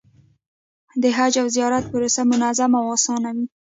د حج او زیارت پروسه منظمه او اسانه وي.